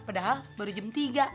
padahal baru jam tiga